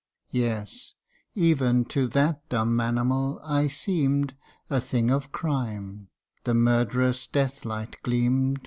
Yes, even to that dumb animal I seem'd A thing of crime ; the murderous death light gleam 'd CANTO I.